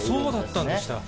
そうだったんでした。